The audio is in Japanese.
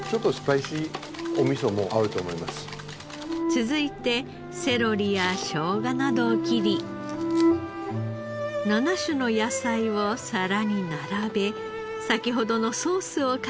続いてセロリや生姜などを切り７種の野菜を皿に並べ先ほどのソースをかければ。